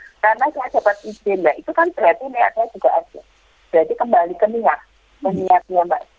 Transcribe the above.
ke niatnya mbak su